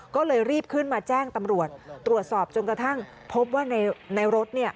ก็เลยรีบขึ้นมาแจ้งตำรวจตรวจสอบจนกระทั่งพบว่าในรถ